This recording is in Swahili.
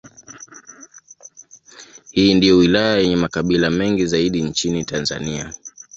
Hii ndiyo wilaya yenye makabila mengi zaidi nchini Tanzania.